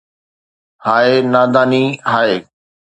ھاءِ نا داني ھاءِ